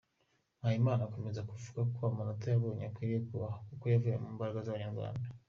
Mpayimana akomeza avuga ko amanita yabonye akwiriye kubahwa kuko yavuye mu mbaraga z’Abanyarwanda.